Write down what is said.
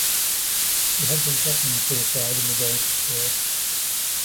He had been threatening suicide in the days before.